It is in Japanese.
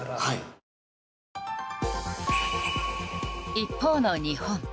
一方の日本。